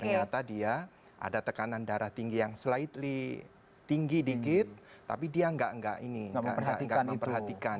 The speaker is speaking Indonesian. ternyata dia ada tekanan darah tinggi yang slightly tinggi dikit tapi dia nggak ini memperhatikan